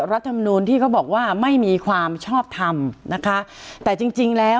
รัฐมนูลที่เขาบอกว่าไม่มีความชอบทำนะคะแต่จริงจริงแล้ว